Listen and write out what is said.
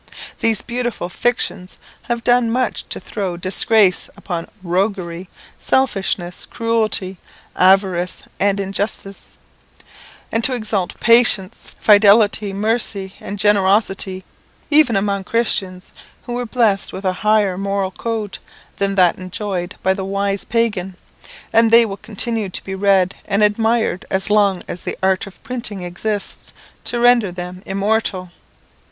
These beautiful fictions have done much to throw disgrace upon roguery, selfishness, cruelty, avarice and injustice, and to exalt patience, fidelity, mercy, and generosity, even among Christians who were blessed with a higher moral code than that enjoyed by the wise pagan; and they will continue to be read and admired as long as the art of printing exists to render them immortal.